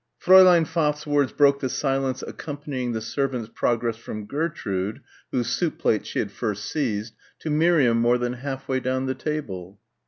Fräulein Pfaff's words broke the silence accompanying the servant's progress from Gertrude whose soup plate she had first seized, to Miriam more than half way down the table.